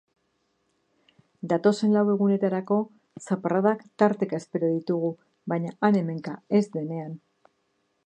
Datozen lau egunetarako zaparradak tarteka espero ditugu, baina han-hemenka, ez denean.